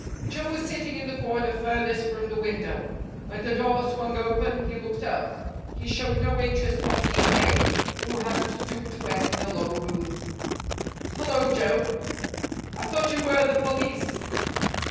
Joe was sitting in the corner farthest from the window. When the door swung open, he looked up. He showed no interest on seeing K., who had to stoop to enter the low room. "Hello, Joe." "I thought you were the police."